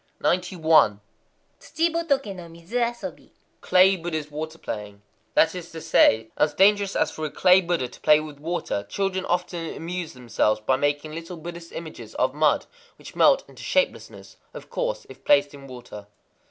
91.—Tsuchi botoké no midzu asobi. Clay Buddha's water playing. That is to say, "As dangerous as for a clay Buddha to play with water." Children often amuse themselves by making little Buddhist images of mud, which melt into shapelessness, of course, if placed in water.